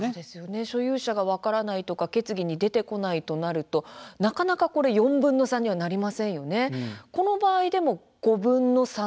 所有者が分からないとか決議に出てこないとかなかなか４分の３になりませんよね。